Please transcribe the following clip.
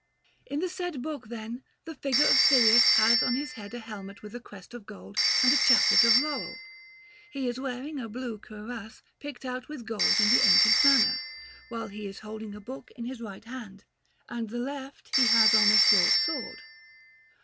In the said book, then, the figure of Silius has on the head a helmet with a crest of gold and a chaplet of laurel; he is wearing a blue cuirass picked out with gold in the ancient manner, while he is holding a book in his right hand, and the left he has on a short sword.